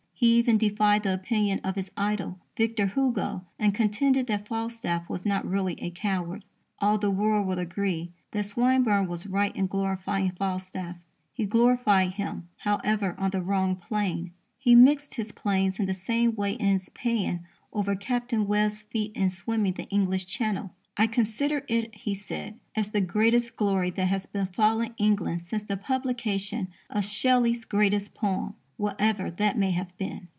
He even defied the opinion of his idol, Victor Hugo, and contended that Falstaff was not really a coward. All the world will agree that Swinburne was right in glorifying Falstaff. He glorified him, however, on the wrong plane. He mixed his planes in the same way in his paean over Captain Webb's feat in swimming the English Channel. "I consider it," he said, "as the greatest glory that has befallen England since the publication of Shelley's greatest poem, whatever that may have been."